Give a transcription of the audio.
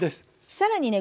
更にね